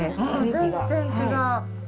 全然違う。